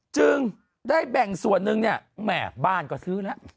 จึงได้แบ่งส่วนหนึ่งเนี่ยแหม่บ้านก็ซื้อแล้ว